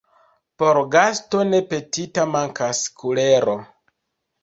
Por gasto ne petita mankas kulero.